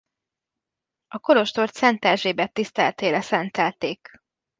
A kolostort Szent Erzsébet tiszteletére szentelték.